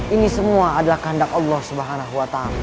ini semua adalah kehendak allah swt